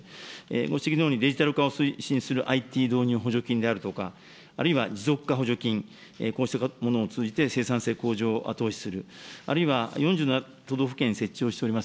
ご指摘のように、デジタル化を推進するＩＴ導入補助金であるとか、あるいは持続化補助金、こうしたものを通じて、生産性向上を後押しする、あるいは４７都道府県に設置をしております